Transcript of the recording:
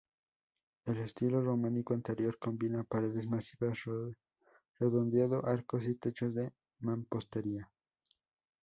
El estilo románico anterior combina paredes masivas, redondeado arcos y techos de mampostería.